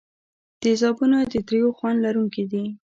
تیزابونه د تریو خوند لرونکي دي.